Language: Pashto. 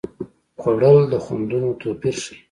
خوړل د خوندونو توپیر ښيي